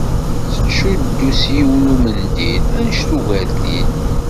Tettcuddu-t s yiwen n umendil annect n ugertil.